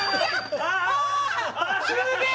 ああすげえ！